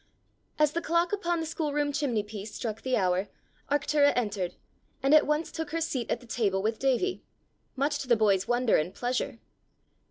As the clock upon the schoolroom chimney piece struck the hour, Arctura entered, and at once took her seat at the table with Davie much to the boy's wonder and pleasure.